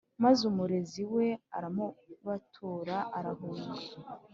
maze umurezi we aramubatura arahunga.